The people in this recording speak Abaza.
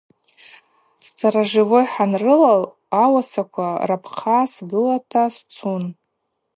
Сторожевой хӏанрылал ауасаква рапхъа сгылата сцун.